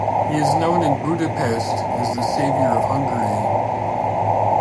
He is known in Budapest as the "Saviour of Hungary".